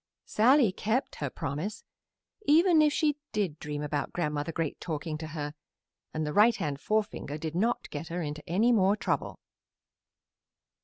Sallie kept her promise, even if she did dream about Grandmother Great talking to her, and the right hand forefinger did not get her into any more trouble.